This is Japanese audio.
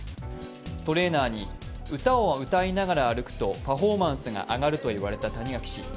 トレーナーに、歌を歌いながら歩くとパフォーマンスが上がると言われた谷垣氏。